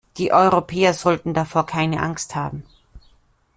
Die Europäer sollten davor keine Angst haben.